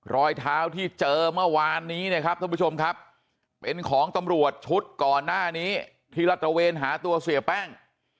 รอยเท้าที่เจอเมื่อวานนี้นะครับท่านผู้ชมครับเป็นของตำรวจชุดก่อนหน้านี้ที่รัฐระเวนหาตัวเสียแป้ง